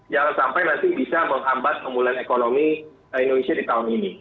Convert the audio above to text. jangan sampai nanti bisa menghambat pemulihan ekonomi indonesia di tahun ini